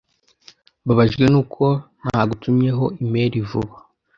Mbabajwe nuko ntagutumyeho imeri vuba.